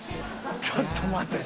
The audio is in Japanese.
ちょっと待て。